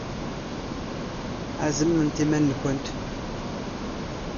Reẓmemt imawen-nwent!